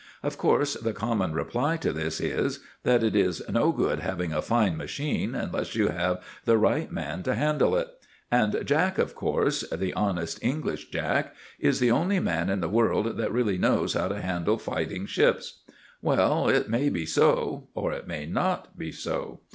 Of course the common reply to this is, that it is no good having a fine machine unless you have the right man to handle it. And Jack, of course, the honest English Jack, is the only man in the world that really knows how to handle fighting ships. Well, it may be so, or it may not be so.